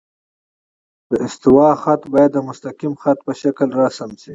د استوا خط باید د مستقیم خط په شکل رسم شي